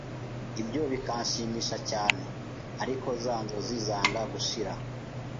Ibyo bikanshimisha cyane, ariko za nzozi zanga gushira.